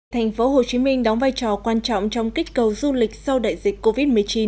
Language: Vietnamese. thành phố hồ chí minh đóng vai trò quan trọng trong kích cầu du lịch sau đại dịch covid một mươi chín